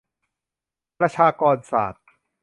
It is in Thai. ประชากรศาสตร์